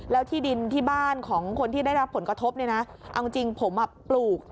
แล้วที่ดินที่บ้านของคนที่ได้รับผลกระทบเนี่ยนะเอาจริงผมอ่ะปลูก